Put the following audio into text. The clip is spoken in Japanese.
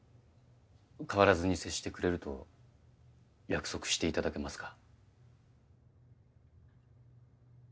変わらずに接してくれると約束していただけますか？